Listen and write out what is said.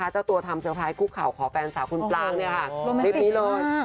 เจ้าตัวทำเซอร์ไพรสคุกเข่าขอแฟนสาวคุณปลางคลิปนี้เลย